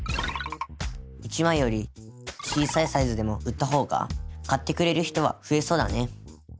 １枚より小さいサイズでも売ったほうが買ってくれる人は増えそうだね。